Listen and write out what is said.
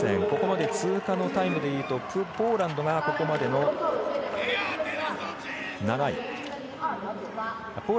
ここまで通過のタイムでいうとポーランドがここまでの８位。